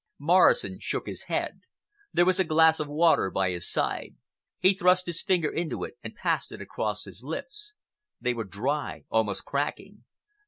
Morrison shook his head. There was a glass of water by his side. He thrust his finger into it and passed it across his lips. They were dry, almost cracking.